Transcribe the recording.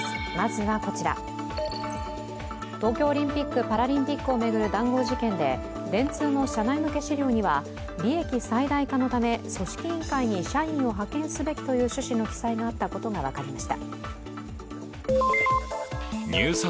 東京オリンピック・パラリンピックを巡る談合事件で電通の社内向け資料には、利益最大化のため組織委員会に社員を派遣すべきという趣旨の記載があったことが分かりました。